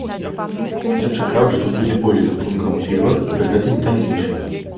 Я чакаў, што будзе болей гатункаў піва, пры гэтым танейшага.